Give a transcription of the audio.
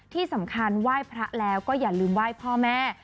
ที่สำคัญไหว้พระแล้วก็อย่าลืมไหว้พ่อแม่